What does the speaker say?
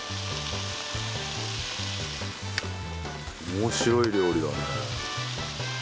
面白い料理だねえ。